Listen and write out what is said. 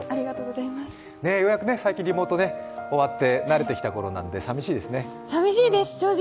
最近リモート終わって慣れてきたころなので寂しいです、正直。